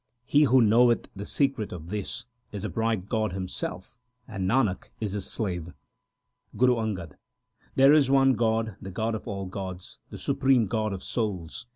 2 He who knoweth the secret of this Is a bright God himself, and Nanak is his slave. Guru Angad There is one God, the God of all gods, the Supreme God of souls.